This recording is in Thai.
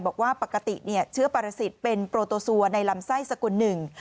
บอกว่าปกติเชื้อปรสิทธิ์เป็นโปรโตซัวในลำไส้สกุลหนึ่ง